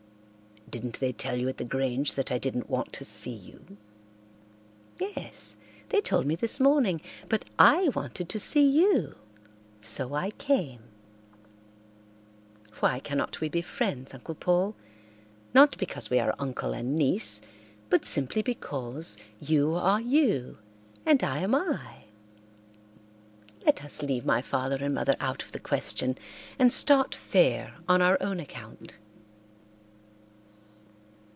"Didn't they tell you at the Grange that I didn't want to see you?" "Yes, they told me this morning, but I wanted to see you, so I came. Why cannot we be friends, Uncle Paul, not because we are uncle and niece, but simply because you are you and I am I? Let us leave my father and mother out of the question and start fair on our own account."